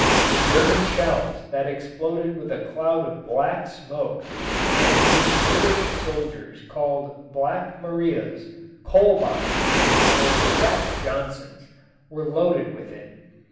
The German shells that exploded with a cloud of black smoke and which British soldiers called "Black Marias," "coal boxes" or "Jack Johnsons" were loaded with it.